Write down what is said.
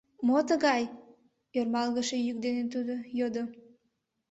— Мо тыгай? — ӧрмалгыше йӱк дене тудо йодо.